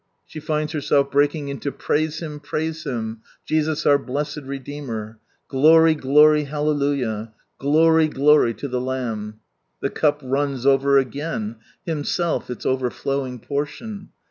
She finds herself breaking into "Praise Him ! praise Him ! Jesus our blessed Redeemer," "Glory, glory, hallelujah! Glory, glory to the Lamb !" The cup runs over again, Himself its overflowing portion.